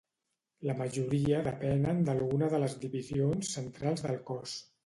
La majoria depenen d'alguna de les Divisions centrals del cos.